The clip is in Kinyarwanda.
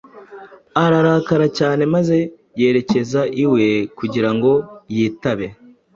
ararakara cyane maze yerekeza iwe kugira ngo yitabe